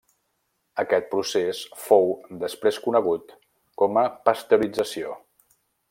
Aquest procés fou després conegut com a pasteurització.